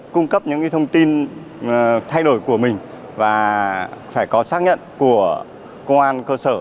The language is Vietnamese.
cung cấp những thông tin thay đổi của mình và phải có xác nhận của công an cơ sở